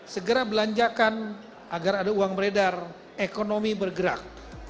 segera belanjakan agar ada uang beredar ekonomi bergerak